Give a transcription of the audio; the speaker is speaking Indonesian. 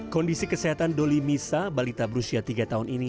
kondisi kesehatan doli misa balita berusia tiga tahun ini